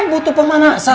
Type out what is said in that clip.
ini butuh pemanasan